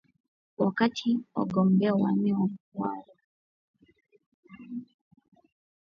Wakati wagombea wanne wako katika kinyang’anyiro cha nafasi ya juu ya uongozi Kenya,